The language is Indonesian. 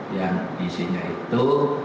yang isinya itu